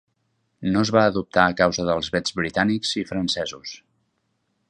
No es va adoptar a causa dels vets britànics i francesos.